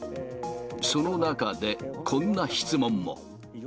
その中でこんな質問も。